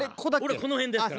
俺この辺ですから。